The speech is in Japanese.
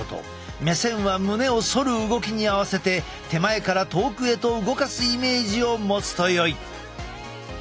目線は胸を反る動きに合わせて手前から遠くへと動かすイメージを持つとよい。